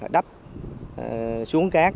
đắp xuống cát